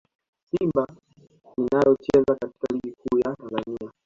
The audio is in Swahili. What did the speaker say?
Simba inayocheza katika Ligi Kuu ya Tanzania